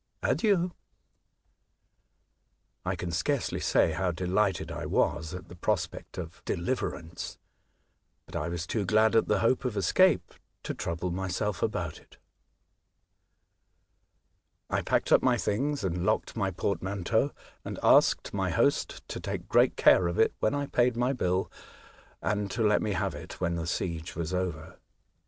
Adieu !" I can scarcely say how delighted I was at the prospect of deliverance. The condition seemed curious; but I was too glad at the hope of escape to trouble myself about it. * ^P ^^ ^T* I packed up my things and locked my portmanteau, and asked my host to take great care of it when I paid my bill, and to let me have it when the siege was over.